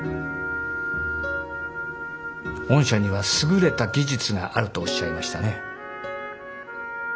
御社には優れた技術があるとおっしゃいましたね。